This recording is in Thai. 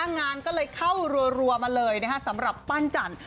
งานก็เลยเข้ารัวมาเลยสำหรับปั้นจันท